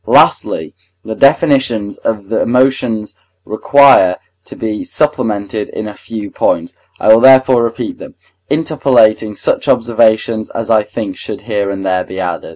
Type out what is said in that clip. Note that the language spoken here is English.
Lastly, the definitions of the emotions require to be supplemented in a few points; I will therefore repeat them, interpolating such observations as I think should here and there be added.